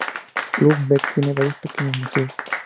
Lübeck tiene varios pequeños museos.